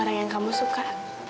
orang yang kamu suka